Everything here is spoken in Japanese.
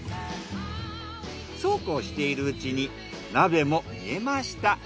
そうこうしているうちに鍋も煮えました。